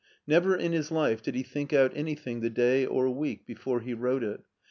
Never in his life did he think out anything the day or week before he wrote it.